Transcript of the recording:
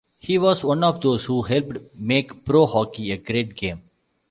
He was one of those who helped make pro hockey a great game.